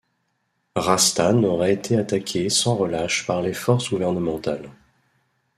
Rastane aurait été attaquée sans relâche par les forces gouvernementales.